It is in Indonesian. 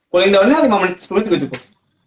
pulling down nya lima menit sepuluh juga cukup